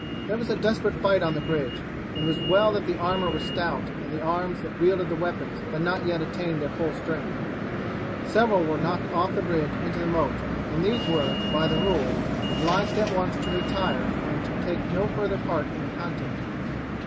There was a desperate fight on the bridge, and it was well that the armour was stout, and the arms that wielded the weapons had not yet attained their full strength. Several were knocked off the bridge into the moat, and these were, by the rules, obliged at once to retire and take no further part in the contest.